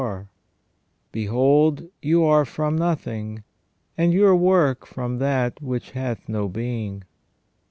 are :" Behold, you are from nothing, and your work from that which hath no being